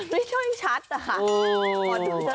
ไม่ช่วยชัดค่ะ